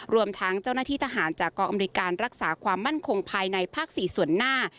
รวมทั้งเจ้าหน้าที่ทหารจากกองอำนวยการรักษาความมั่นคงภายในภาค๔ส่วนหน้า